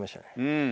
うん。